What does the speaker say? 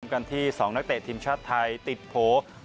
กันที่๒นักเตะทีมชาติไทยติดโผล่